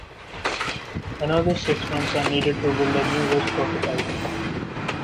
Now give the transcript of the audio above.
Another six months are needed to build a new bus prototype.